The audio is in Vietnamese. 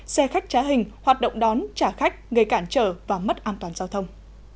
xe khách trá hình hoạt động đón trả khách gây cản trở và mất an toàn giao thông